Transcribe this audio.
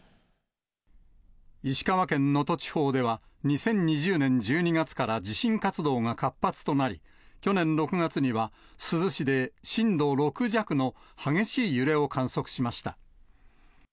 石川県能登地方では、２０２０年１２月から地震活動が活発となり、去年６月には、珠洲市で震度６弱の激しい揺れを観測しました。